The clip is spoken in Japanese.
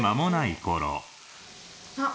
あっ。